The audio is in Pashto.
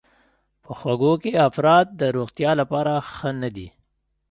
په خوږو کې افراط د روغتیا لپاره ښه نه دی.